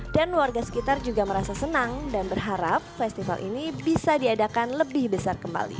dan warga sekitar juga merasa senang dan berharap festival ini bisa diadakan lebih besar kembali